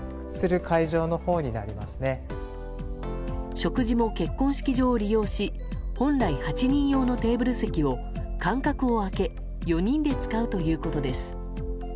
食事も結婚式場を利用し本来８人用のテーブル席を間隔を空け４人で使うということです。